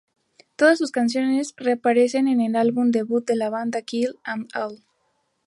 Todas sus canciones reaparecen en el álbum debut de la banda, Kill 'Em All.